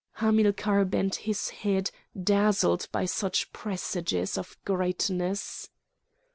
Hamilcar bent his head, dazzled by such presages of greatness.